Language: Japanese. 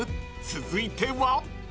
［続いては］